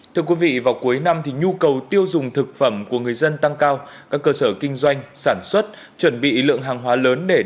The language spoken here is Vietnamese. thưa quý vị vào cuối năm nhu cầu tiêu dùng thực phẩm của người dân tăng cao các cơ sở kinh doanh sản xuất chuẩn bị lượng hàng hóa lớn để đăng bài giao dịch này